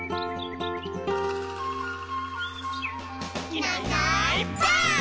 「いないいないばあっ！」